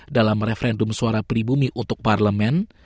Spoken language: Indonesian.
dalam referendum suara pribumi untuk parlemen